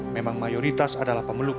memang mayoritas adalah pembangunan